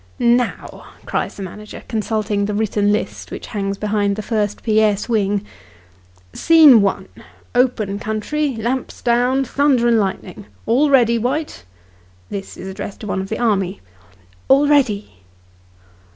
" Now," cries the manager, consulting the written list which hangs behind the first P. 8. wing, " Scene 1, open country lamps down thunder and lightning all ready, White?" [This is addressed to one of the army.] " All ready."